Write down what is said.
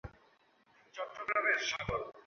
আমার শো আছে না, এখন।